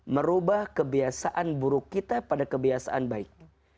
merubah kebiasaan buruk kita pada kebiasaan baik